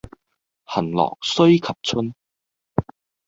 行樂須及春。